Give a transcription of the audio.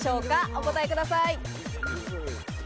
お答えください。